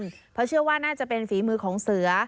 เพราะเชื่อว่าน่าจะเป็นฝีมือของเสือ